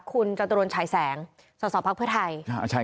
คุณจัตรวนชายแสงส่วนสอบภักดิ์เพื่อไทย